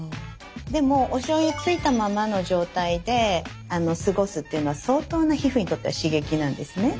でもおしょうゆ付いたままの状態で過ごすっていうのは相当な皮膚にとっては刺激なんですね。